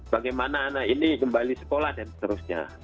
bagaimana anak ini kembali sekolah dan seterusnya